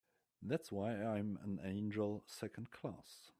That's why I'm an angel Second Class.